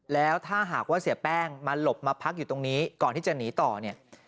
แล้วถ้าหากว่าเสียแป้งมาหลบมาพักอยู่ตรงนี้ก่อนที่จะหนีต่อเนี่ย